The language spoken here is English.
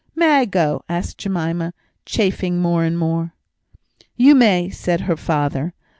"May I go?" asked Jemima, chafing more and more. "You may," said her father.